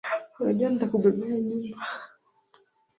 Unajua nitakubeba nyumbani